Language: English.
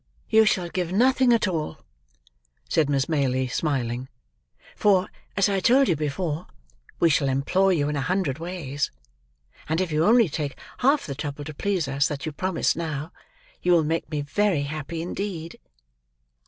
"You shall give nothing at all," said Miss Maylie, smiling; "for, as I told you before, we shall employ you in a hundred ways; and if you only take half the trouble to please us, that you promise now, you will make me very happy indeed."